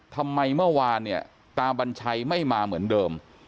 ทำไมเมื่อวานเนี่ยตาบัญชัยไม่มาเหมือนเดิม